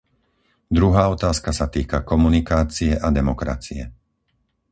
Druhá otázka sa týka komunikácie a demokracie.